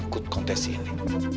untuk ikut kontes ini